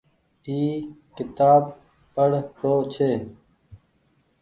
اي ڪيتآب پڙ رو ڇي۔